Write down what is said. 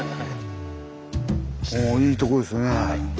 ああいいとこですね。